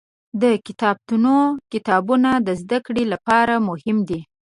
د کتابتون کتابونه د زده کړې لپاره مهم دي.